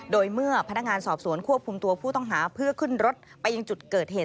โดยเมื่อพนักงานสอบสวนควบคุมตัวผู้ต้องหาเพื่อขึ้นรถไปยังจุดเกิดเหตุ